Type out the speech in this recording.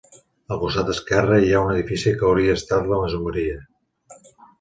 Al costat esquerre, hi ha un edifici que hauria estat la masoveria.